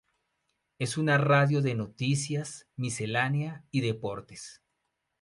Es una radio de noticias, miscelánea y deportes.